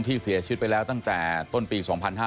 เสียชีวิตไปแล้วตั้งแต่ต้นปี๒๕๕๙